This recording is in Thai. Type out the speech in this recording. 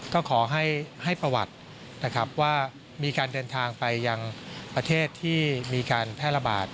ก็ขอให้ประวัตินะครับว่ามีการเดินทางไปยังประเทศที่มีการแพร่ระบาด